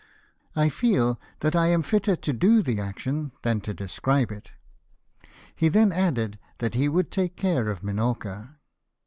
I feel that I am fitter to do the action than to describe it." He then added, that he would take care of Minorca.